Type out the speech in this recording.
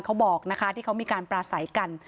เขาบอกนะคะที่เขามีการปราศัยกัน